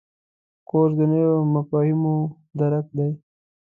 کورس د نویو مفاهیمو درک دی.